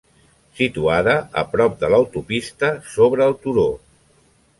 Situada a prop de l'autopista sobre el turó.